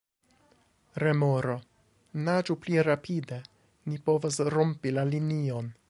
Remoro: "Naĝu pli rapide! Ni povas rompi la linion!"